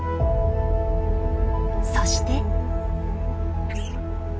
そして。